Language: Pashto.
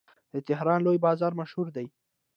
د تهران لوی بازار مشهور دی.